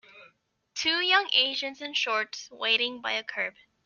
Two young Asians in shorts waiting by a curb.